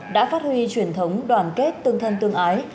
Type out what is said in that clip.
đã phát huy truyền thống đoàn kết tương thân tương ái